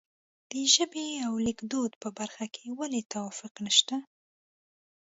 د ژبې او لیکدود په برخه کې ولې توافق نشته.